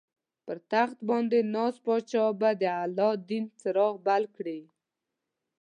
پر تخت باندې ناست پاچا به د الله دین څراغ بل کړي.